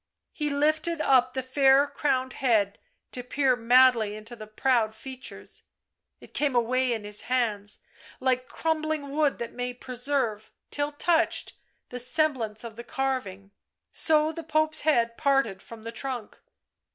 He lifted up the fair crowned head to peer madly into the proud features. ... It came away in his hands, like crumbling wood that may preserve, till touched, the semblance of the carving ... so the Pope's head parted from the trunk.